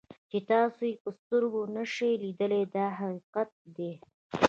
چې تاسو یې په سترګو نشئ لیدلی دا حقیقت دی.